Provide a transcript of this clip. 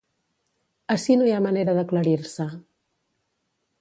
Ací no hi ha manera d'aclarir-se.